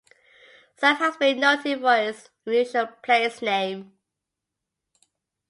Zap has been noted for its unusual place name.